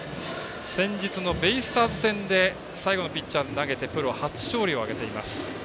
先日のベイスターズ戦で最後のピッチャーで投げてプロ初勝利を挙げています。